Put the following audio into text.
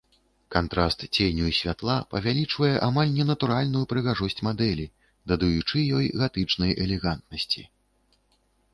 Кантраст ценю і святла павялічвае амаль ненатуральную прыгажосць мадэлі, дадаючы ёй гатычнай элегантнасці.